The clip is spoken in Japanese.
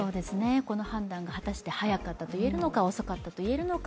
この判断が果たして早かったといえるのか、遅かったといえるのか